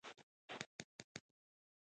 فرض د ټولو مخلوقاتو احترام وای